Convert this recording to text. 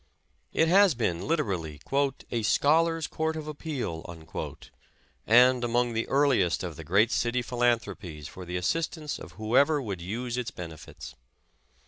It has been literally *'a scholars' court of appeal/' and among the earliest of the great city philanthropies for the assistance of whoever would use its benefits.